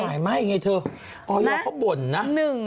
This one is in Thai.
สายมากยังไงเธออยเขาบ่นนะ